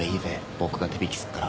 僕が手引きすっから。